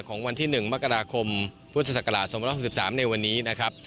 ของวันที่๑มกราคมพศ๑๖๓ในวันนี้นะครับ